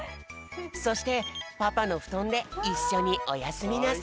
そしてパパのふとんでいっしょにおやすみなさい。